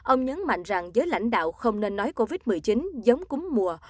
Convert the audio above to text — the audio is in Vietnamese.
ông nhấn mạnh rằng giới lãnh đạo không nên nói covid một mươi chín giống cúm mùa